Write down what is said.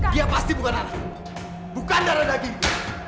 dia pasti bukan anak bukan darah dagingmu